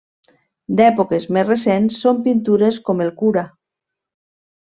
D'èpoques més recents són pintures com El Cura.